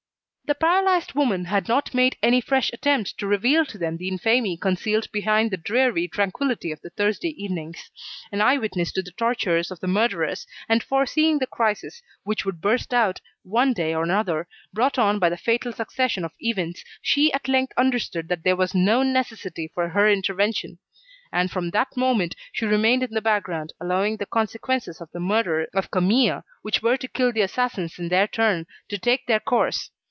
The paralysed woman had not made any fresh attempt to reveal to them the infamy concealed behind the dreary tranquillity of the Thursday evenings. An eye witness of the tortures of the murderers, and foreseeing the crisis which would burst out, one day or another, brought on by the fatal succession of events, she at length understood that there was no necessity for her intervention. And from that moment, she remained in the background allowing the consequences of the murder of Camille, which were to kill the assassins in their turn, to take their course.